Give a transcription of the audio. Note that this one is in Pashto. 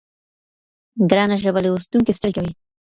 ګرانه ژبه لوستونکی ستړی کوي.